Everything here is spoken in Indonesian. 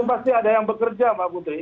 itu pasti ada yang bekerja pak putri